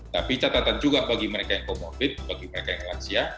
tapi catatan juga bagi mereka yang comorbid bagi mereka yang lansia